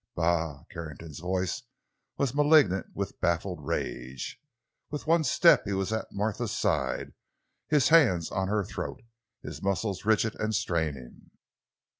"Bah!" Carrington's voice was malignant with baffled rage. With one step he was at Martha's side, his hands on her throat, his muscles rigid and straining.